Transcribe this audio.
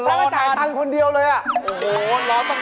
แล้วมาก็แจ่ตังค์คนเดียวเลยอย่ะก็มันร้อนพนัน